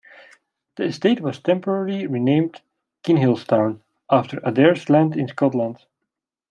The estate was temporarily renamed "Kinhilstown" after Adair's lands in Scotland.